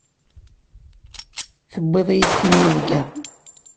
Tewweḍ-iyi-d tinubga.